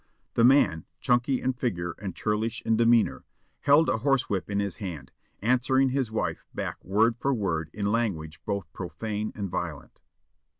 The man, chunky in figure and churlish in demeanour, held a horsewhip in his hand, answering his wife back word for word in language both profane and violent.